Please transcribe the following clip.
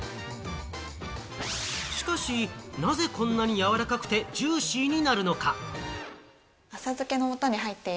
しかし、なぜこんなにやわらかくてジューシーになるのか？